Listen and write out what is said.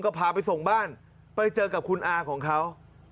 ก็พาไปส่งบ้านไปเจอกับคุณอาของเขา